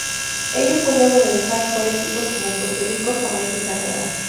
Ello fue luego de dejar fuera equipos como: Puerto Rico, Jamaica y Canadá.